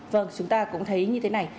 vâng chúng ta cũng thấy như thế này